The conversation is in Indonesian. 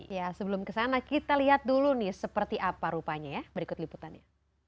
ya sebelum kesana kita lihat dulu nih seperti apa rupanya ya berikut liputannya